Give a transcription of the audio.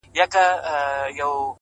پوه انسان د حقیقت تابع وي!